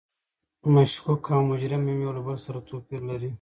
مشکوک او مجرم هم یو له بل سره توپیر لري.